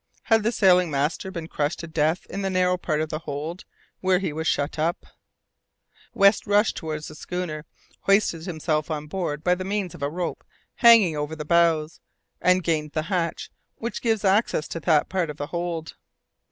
Had the sealing master been crushed to death in the narrow part of the hold where he was shut up? [Illustration: The Halbrane fast in the iceberg.] West rushed towards the schooner, hoisted himself on board by means of a rope hanging over the bows, and gained the hatch which gives access to that part of the hold.